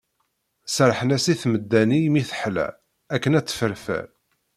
Serrḥen-as i tmedda-nni mi teḥla, akken ad tefferfer.